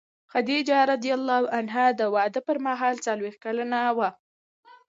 خدیجه رض د واده پر مهال څلوېښت کلنه وه.